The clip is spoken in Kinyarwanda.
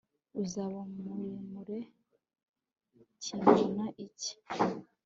uzaba muremure kingana iki